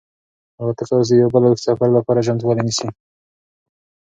الوتکه اوس د یو بل اوږد سفر لپاره چمتووالی نیسي.